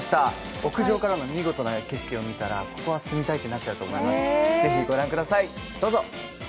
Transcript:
屋上からの見事な景色を見たらここは住みたいなってなっちゃうと思います、どうぞ。